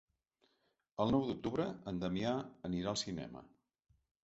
El nou d'octubre en Damià anirà al cinema.